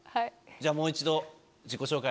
じゃあもう一度自己紹介